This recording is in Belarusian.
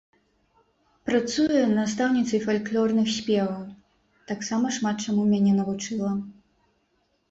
Працуе настаўніцай фальклорных спеваў, таксама шмат чаму мяне навучыла.